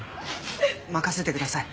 任せてください。